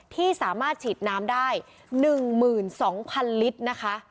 ที่สามารถฉีดน้ำได้๑๒๐๐๐ลิตรนะคะ